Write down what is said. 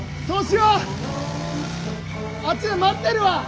あっちで待ってるわ。